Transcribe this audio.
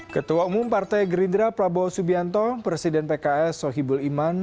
ketua umum partai gerindra prabowo subianto presiden pks sohibul iman